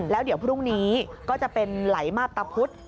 แล้วเดี๋ยวพรุ่งนี้ก็จะเป็นไหลมาพตะพุธ